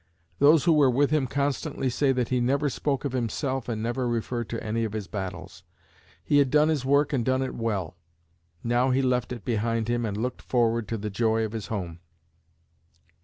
Those who were with him constantly say that he never spoke of himself and never referred to any of his battles. He had done his work and done it well. Now he left it behind him and looked forward to the joy of his home.